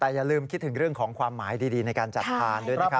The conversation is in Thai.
แต่อย่าลืมคิดถึงเรื่องของความหมายดีในการจัดทานด้วยนะครับ